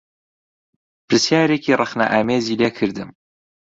پرسیارێکی ڕخنەئامێزی لێ کردم